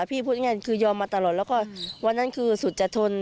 พี่พูดอย่างงี้คือยอมมาตลอดแล้วก็วันนั้นคือสุดจะทน